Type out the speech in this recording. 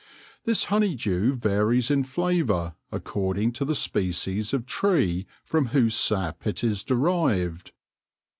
TMs honey dew varies in flavour according to the species of tree from whose sap it is derived.